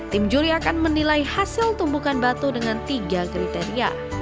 tim juri akan menilai hasil tumbukan batu dengan tiga kriteria